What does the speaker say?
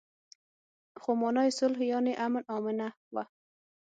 خو مانا يې صلح يانې امن آمنه وه.